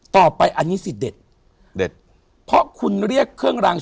ต่อไปอันนี้สิเด็ด